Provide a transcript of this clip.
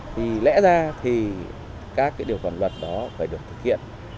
thì lẽ ra thì các cái điều khoản luật đó phải được thực hiện